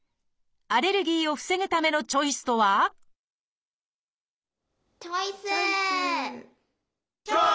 アレルギーを防ぐためのチョイスとはチョイス！